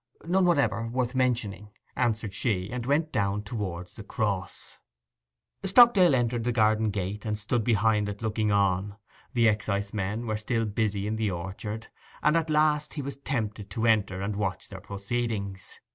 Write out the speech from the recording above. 'None whatever—worth mentioning,' answered she, and went down towards the Cross. Stockdale entered the garden gate, and stood behind it looking on. The excisemen were still busy in the orchard, and at last he was tempted to enter, and watch their proceedings.